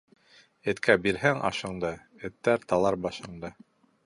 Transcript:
Эткә бирһәң ашыңды, эттәр талар башыңды.